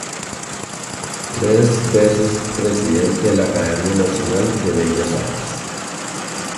Tres veces Presidente de la Academia Nacional de Bellas Artes.